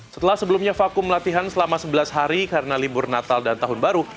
setelah sebelumnya vakum latihan selama sebelas hari karena libur natal dan tahun baru